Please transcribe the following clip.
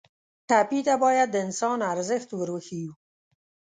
ټپي ته باید د انسان ارزښت ور وښیو.